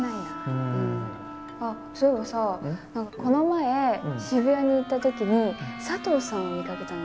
あっそういえばさこの前渋谷に行った時にサトウさんを見かけたの。